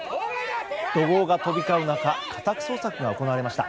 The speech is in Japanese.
怒号が飛び交う中家宅捜索が行われました。